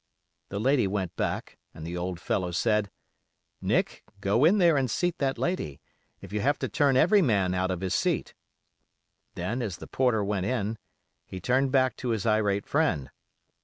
The lady went back and the old fellow said, 'Nick, go in there and seat that lady, if you have to turn every man out of his seat.' Then, as the porter went in, he turned back to his irate friend.